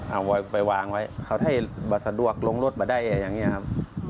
เอาไปวางไว้เขาให้มาสะดวกลงรถมาได้อย่างนี้ครับ